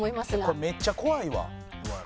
これめっちゃ怖いわ。